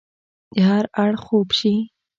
د هر اړخ خوب شي